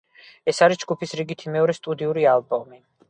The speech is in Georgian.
ეს არის ჯგუფის რიგით მეორე სტუდიური ალბომი.